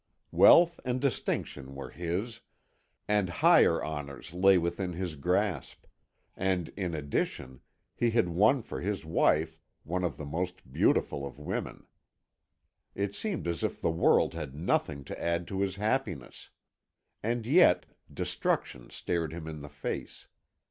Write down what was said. Wealth and distinction were his, and higher honours lay within his grasp; and, in addition, he had won for his wife one of the most beautiful of women. It seemed as if the world had nothing to add to his happiness. And yet destruction stared him in the face.